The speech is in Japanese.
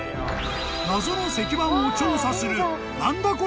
［謎の石板を調査する］